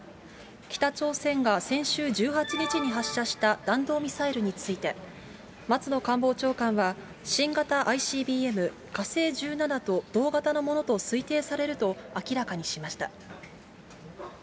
北朝鮮が先週１８日に発射した弾道ミサイルについて、松野官房長官は、新型ＩＣＢＭ火星１７と同型のものと推定されると明らかにしました。